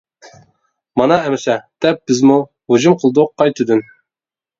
مانا ئەمسە دەپ بىزمۇ، ھۇجۇم قىلدۇق قايتىدىن.